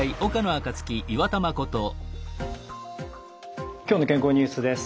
「きょうの健康ニュース」です。